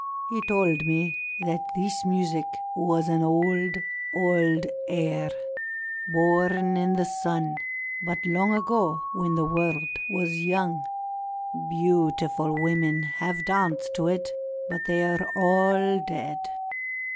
He told me that this music was an old, old air, born in the sun — but long ago, when the world was young. Beautiful women have danced to it, but they are all dead.